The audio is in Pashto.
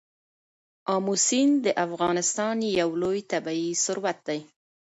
آمو سیند د افغانستان یو لوی طبعي ثروت دی.